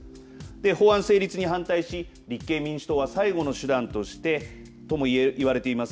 法案成立に反対し立憲民主党は最後の手段としてともいわれています